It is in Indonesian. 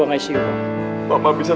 pas tadi belanja